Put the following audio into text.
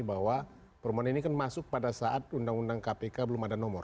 bahwa permohonan ini kan masuk pada saat undang undang kpk belum ada nomor